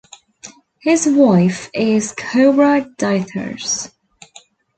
His wife is Cora Dithers.